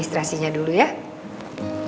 saya sudah boleh pulang